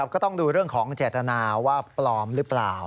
ก็ต้องดูเรื่องของเจตนาว่าปลอมหรือเปล่า